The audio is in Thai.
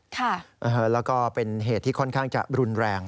แล้วก็เป็นเหตุที่ค่อนข้างจะรุนแรง